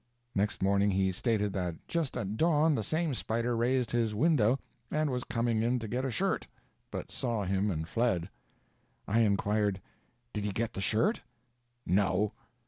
Next morning he stated that just at dawn the same spider raised his window and was coming in to get a shirt, but saw him and fled. I inquired, "Did he get the shirt?" "No."